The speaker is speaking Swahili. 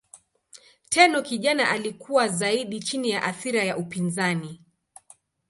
Tenno kijana alikuwa zaidi chini ya athira ya upinzani.